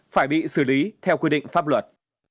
phải bị xử lý theo quy định pháp luật